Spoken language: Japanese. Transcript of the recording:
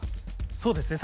そうですね。